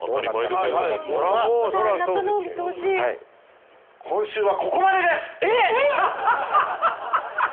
嘘やん今週はここまでです！